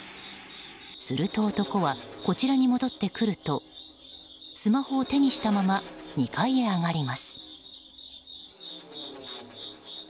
すると男はこちらに戻ってくるとスマホを手にしたまま２階へ上がります。